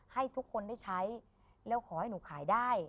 ให้ทุกคนได้ใช้แล้วขอให้หนูขายได้